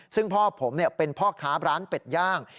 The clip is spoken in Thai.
ซึ่งพ่อผมเป็นพ่อค้าร้านเป็ดย่าง